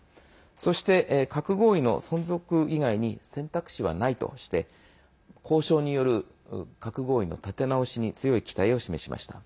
そして、核合意の存続以外に選択肢はないとして交渉による核合意の立て直しに強い期待を示しました。